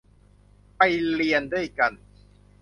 ไปเรียนด้วยกัน !